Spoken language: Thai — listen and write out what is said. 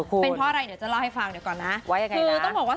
เป็นเพราะอะไรเดี๋ยวจะเล่าให้ฟังเดี๋ยวก่อนนะว่ายังไงคือต้องบอกว่า